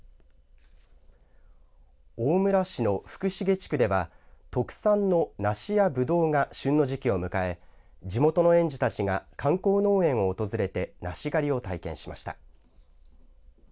大村市の福重地区では特産の梨やぶどうが旬の時期を迎え地元の園児たちが観光農園を訪れて梨狩りを体験しました。